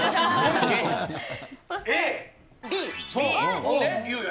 そして、Ｂ。